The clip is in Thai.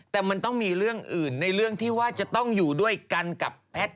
แต่มันต้องมีเรื่องอื่นในเรื่องที่ว่าจะต้องอยู่ด้วยกันกับแพทย์